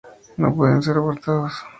No pueden ser abortados.